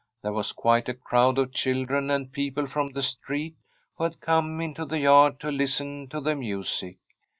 There was quite a crowd of children and people from the street, who had come into the yard to listen to the music.